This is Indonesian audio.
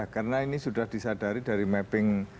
karena ini sudah disadari dari mapping